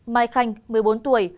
mai khanh một mươi bốn tuổi